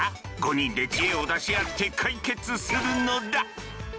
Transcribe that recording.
５人で知恵を出し合って解決するのだ！